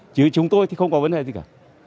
chứ chúng tôi thì không có vấn đề gì cả